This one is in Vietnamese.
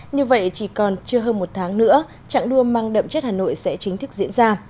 như vậy chỉ còn chưa hơn một tháng nữa trạng đua mang đậm chất hà nội sẽ chính thức diễn ra